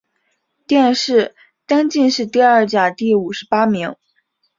殿试登进士第二甲第五十八名。